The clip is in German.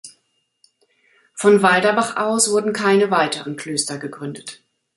Von Walderbach aus wurden keine weiteren Klöster gegründet.